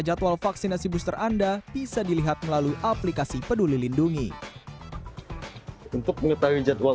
jadwal vaksinasi booster anda bisa dilihat melalui aplikasi peduli lindungi untuk mengetahui jadwal